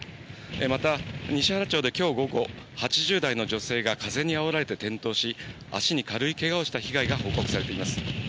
また、西原町できょう午後、８０代の女性が風にあおられて転倒し、足に軽いけがをした被害が報告されています。